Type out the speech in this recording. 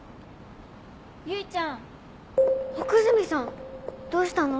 ・唯ちゃん・奥泉さん！どうしたの？